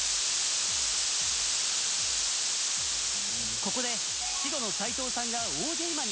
ここで白の齋藤さんが大ゲイマに。